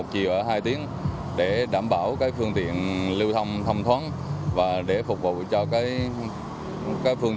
một chiều ở hai tiếng để đảm bảo cái phương tiện lưu thông thông thoáng và để phục vụ cho cái phương